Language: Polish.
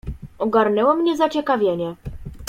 "Ogarnęło mnie zaciekawienie."